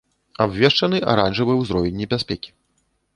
Абвешчаны аранжавы ўзровень небяспекі.